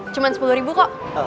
cuman sepuluh ribu kok